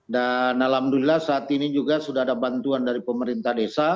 dan alhamdulillah saat ini juga sudah ada bantuan dari pemerintah desa